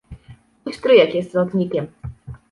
Mój stryjek jest lotnikiem.